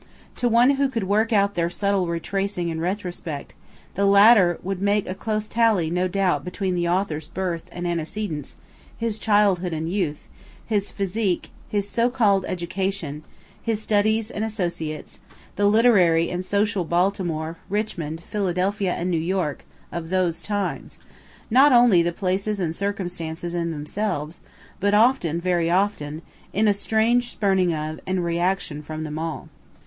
To one who could work out their subtle retracing and retrospect, the latter would make a close tally no doubt between the author's birth and antecedents, his childhood and youth, his physique, his so call'd education, his studies and associates, the literary and social Baltimore, Richmond, Philadelphia and New York, of those times not only the places and circumstances in themselves, but often, very often, in a strange spurning of, and reaction from them all.